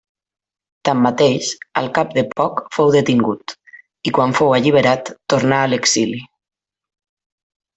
Tanmateix, al cap de poc fou detingut i quan fou alliberat tornà a l'exili.